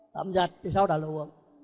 tạm giật thì sau đó là uống